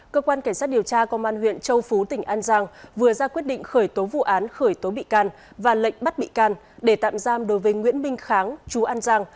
cơ quan cảnh sát điều tra công an huyện châu phú tỉnh an giang vừa ra quyết định khởi tố vụ án khởi tố bị can và lệnh bắt bị can để tạm giam đối với nguyễn minh kháng chú an giang